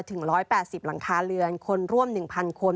๑๘๐หลังคาเรือนคนร่วม๑๐๐คน